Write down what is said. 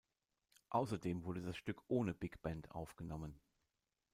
Außerdem wurde das Stück ohne Big-Band aufgenommen.